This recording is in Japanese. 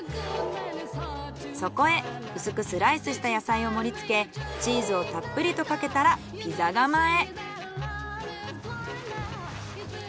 そこへ薄くスライスした野菜を盛り付けチーズをたっぷりとかけたらピザ窯へ。